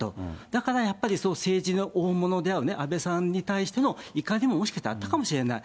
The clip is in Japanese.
だからやっぱりその政治の大物である、安倍さんに対しての怒りももしかしたらあったかもしれない。